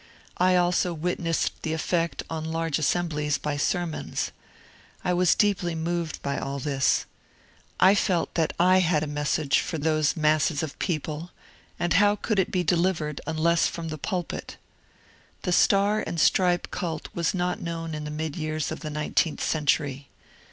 I also wit nessed the effect on large assemblies by sermons. I was deeply moved by all this. I felt that I had a message for those 86 MONCUBE DANIEL CONWAY masses of people, and how oould it be deliyered, unless from the pulpit? The star and stripe cult was not known in the mid years of the nineteenth century.